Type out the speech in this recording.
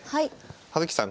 葉月さん